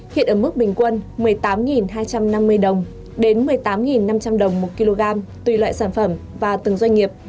hiện ở mức bình quân một mươi tám hai trăm năm mươi đồng đến một mươi tám năm trăm linh đồng một kg tùy loại sản phẩm và từng doanh nghiệp